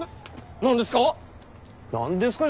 な何ですか？